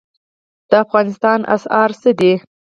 د افغانستان اسعار څه دي؟